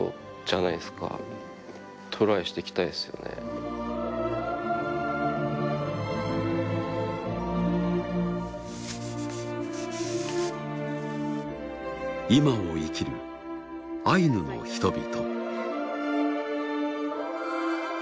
まったく今を生きるアイヌの人々。